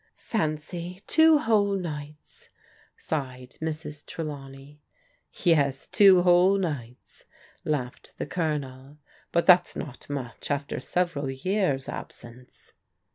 " Fancy, two whole nights !" sighed Mrs. Trelawney. " Yes, two whole nights," laughed the Colonel. " But that's not much after several years' absence."